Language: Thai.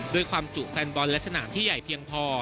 ด้วยความจุแฟนบอลและสนามที่ใหญ่เพียงพอ